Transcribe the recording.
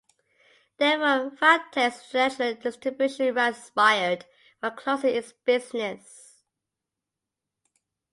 Therefore, Fabtek's international distribution rights expired while closing its business.